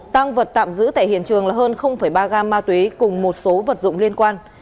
tăng vật tạm giữ tại hiện trường là hơn ba gam ma túy cùng một số vật dụng liên quan